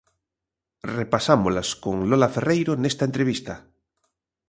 Repasámolas con Lola Ferreiro nesta entrevista.